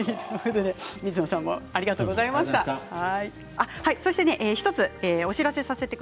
水野さんありがとうございました。